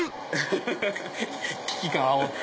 危機感あおって！